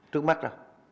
trước mắt đâu